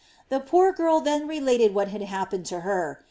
The poor girl then related what had happened to her.